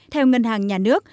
theo ngân hàng nhà nước